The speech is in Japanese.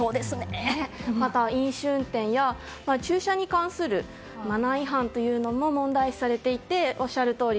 また、飲酒運転や駐車に関するマナー違反というのも問題視されておっしゃるとおり